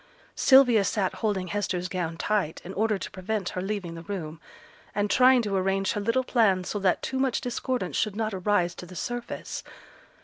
Sylvia sate holding Hester's gown tight in order to prevent her leaving the room, and trying to arrange her little plans so that too much discordance should not arise to the surface.